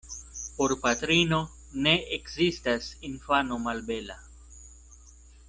Por patrino ne ekzistas infano malbela.